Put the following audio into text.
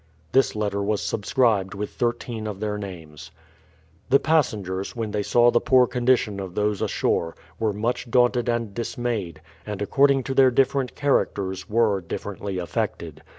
This letter was subscribed with thirteen of their names». The passengers, when they saw the poor condition of those ashore, were much daunted and dismayed, and, ac cording to their different characters were, differently affected.